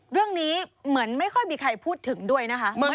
เรื่องนี้เหมือนไม่ค่อยมีใครพูดถึงด้วยนะคะ